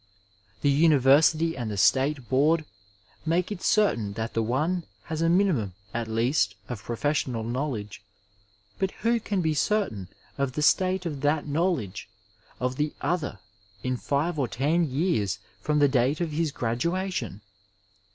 The university and the state board make it certain that the one has a minimum, at least, of professional knowledge, but who can be certain of the state of that knowledge of the other in five or ten years from the date of his graduation?